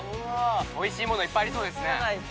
美味しいものいっぱいありそうですね。